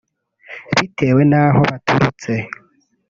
Bitewe n’aho baturutse